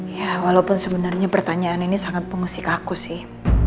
ya walaupun sebenarnya pertanyaan ini sangat mengusik aku sih